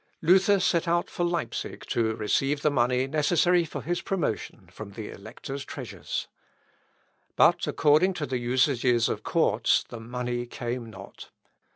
Luther set out for Leipsic to receive the money necessary for his promotion from the elector's treasures. But according to the usages of courts, the money came not.